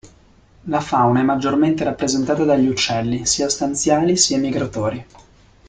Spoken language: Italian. La fauna è maggiormente rappresentata dagli uccelli, sia stanziali sia migratori.